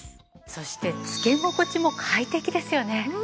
そしてつけ心地も快適ですよね。